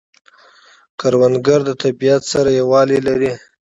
کروندګر د طبیعت سره یووالی لري